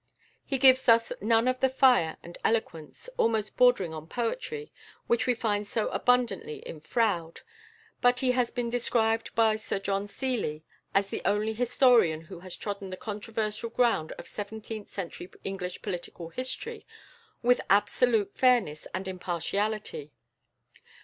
He gives us none of the fire and eloquence, almost bordering on poetry, which we find so abundantly in Froude; but he has been described by Sir John Seeley as the only historian who has trodden the controversial ground of seventeenth century English political history with absolute fairness and impartiality.